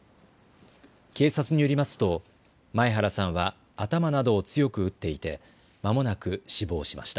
警察によりますと前原さんは頭などを強く打っていてまもなく死亡しました。